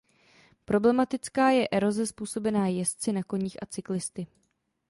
Problematická je eroze způsobená jezdci na koních a cyklisty.